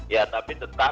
ya tapi tetap